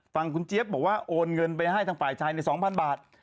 ฟังคุณเจี๊ยบบอกว่าโอนเงินไปให้ทางฝ่ายชายใน๒๐๐บาท